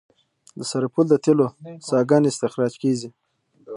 د سرپل د تیلو څاګانې استخراج کیږي